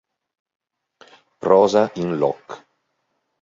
Rosa in loc.